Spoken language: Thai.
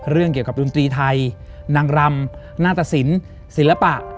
เรื่องเกี่ยวกับดนตรีไทยนางรำหน้าตสินศิลปะ